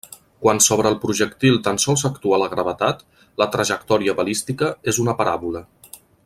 Quan sobre el projectil tan sols actua la gravetat, la trajectòria balística és una paràbola.